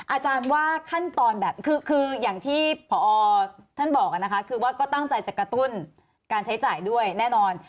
อาจารย์ว่าขั้นตอนแบบคืออย่างที่พอท่านบอกนะคะคือว่าก็ตั้งใจจะกระตุ้นการใช้จ่ายด้วยแน่นอน